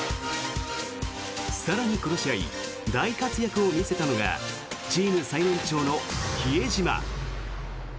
更に、この試合大活躍を見せたのがチーム最年長の比江島。